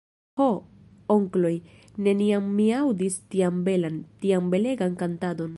Ho, onkloj, neniam mi aŭdis tian belan, tian belegan kantadon.